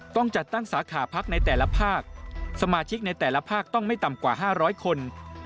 ต้องจัดตั้งสาขาพักในแต่ละภาคสมาชิกในแต่ละภาคต้องไม่ต่ำกว่า๕๐๐คน